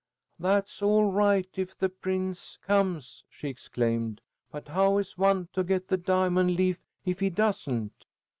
"That's all right if the prince comes," she exclaimed. "But how is one to get the diamond leaf if he doesn't?